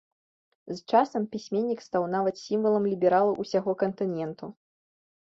З часам пісьменнік стаў нават сімвалам лібералаў усяго кантыненту.